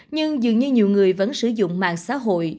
nhưng dường như nhiều người vẫn sử dụng mạng xã hội